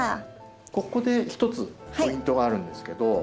ここで一つポイントがあるんですけど。